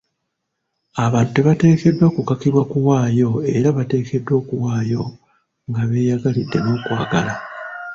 Abantu tebateekeddwa kukakibwa kuwaayo era bateekeddwa okuwaayo nga beeyagalidde n'okwagala.